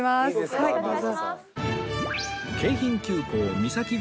はいどうぞ。